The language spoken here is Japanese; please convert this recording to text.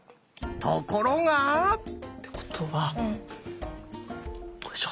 ところが！ってことはここでしょ。